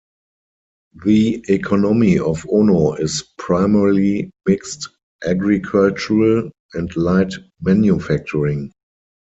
The economy of Ono is primarily mixed agricultural and light manufacturing.